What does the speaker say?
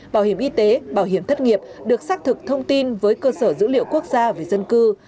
bảo hiểm y tế bảo hiểm thất nghiệp được xác thực thông tin với cơ sở dữ liệu quốc gia về dân cư